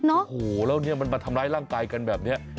โอ้โหแล้วเนี่ยมันมาทำร้ายร่างกายกันแบบนี้